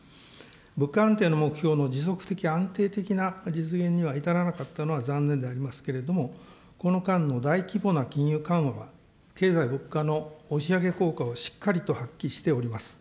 物価安定の目標の持続的、安定的な実現には至らなかったのは残念でありますけれども、この間の大規模な金融緩和は経済、物価の押し上げ効果をしっかりと発揮しております。